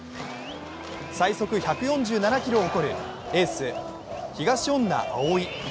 最速１４７キロを誇るエース・東恩納蒼。